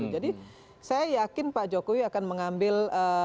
jadi saya yakin pak jokowi akan mengambil